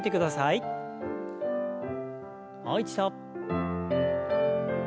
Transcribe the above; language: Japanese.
もう一度。